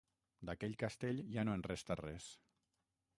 D'aquell castell ja no en resta res.